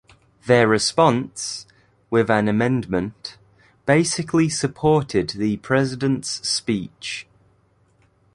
Their response, with an amendment, basically supported the President's speech.